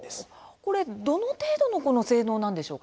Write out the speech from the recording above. これどの程度のこの性能なんでしょうか？